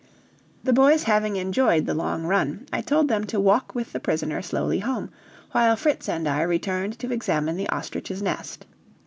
The boys having enjoyed the long run, I told them to walk with the prisoner slowly home, while Fritz and I returned to examine the ostrich's nest.